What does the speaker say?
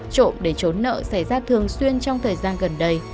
trộm để trốn nợ xảy ra thường xuyên trong thời gian gần đây